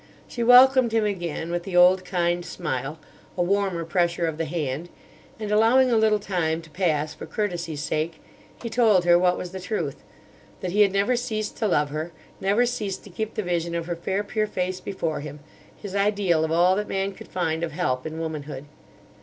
She welcomed him again with the old kind smile, a warmer pressure of the hand; and, allowing a little time to pass for courtesy's sake, he told her what was the truth: that he had never ceased to love her, never ceased to keep the vision of her fair pure face before him, his ideal of all that man could find of help in womanhood.